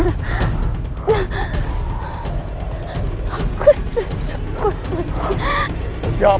aku sudah tidak kuat lagi